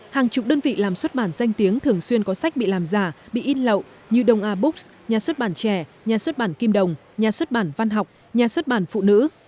hàng chục đơn vị làm xuất bản danh tiếng thường xuyên có sách bị làm giả bị in lậu như đông a books nhà xuất bản trẻ nhà xuất bản kim đồng nhà xuất bản văn học nhà xuất bản phụ nữ